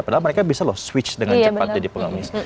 padahal mereka bisa loh switch dengan cepat jadi pengemis